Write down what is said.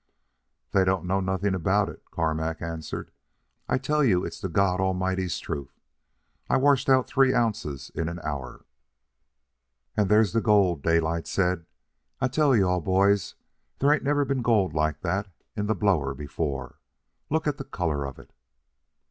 "They don't know nothing about it," Carmack answered. "I tell you it's the God Almighty's truth. I washed out three ounces in an hour." "And there's the gold," Daylight said. "I tell you all boys they ain't never been gold like that in the blower before. Look at the color of it."